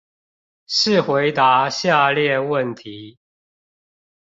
試回答下列問題